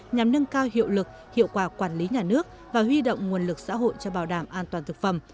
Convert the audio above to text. nhằm nâng cao hiệu lực hiệu quả quản lý nhà nước và huy động nguồn lực xã hội cho bảo đảm an toàn thực phẩm